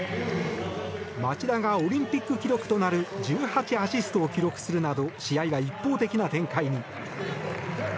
町田がオリンピック記録となる１８アシストを記録するなど試合は一方的な展開に。